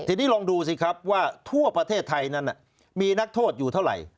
ทีนี้ลองดูสิครับว่าทั่วประเทศไทยนั้นมีนักโทษอยู่เท่าไหร่